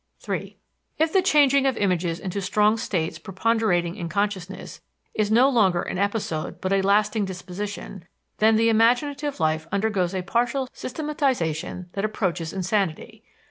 (3) If the changing of images into strong states preponderating in consciousness is no longer an episode but a lasting disposition, then the imaginative life undergoes a partial systematization that approaches insanity.